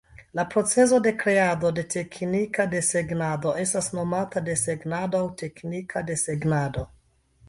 La procezo de kreado de teknika desegnado estas nomata desegnado aŭ teknika desegnado.